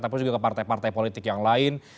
tapi juga ke partai partai politik yang lain